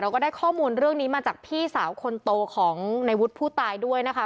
ก็ได้ข้อมูลเรื่องนี้มาจากพี่สาวคนโตของในวุฒิผู้ตายด้วยนะคะ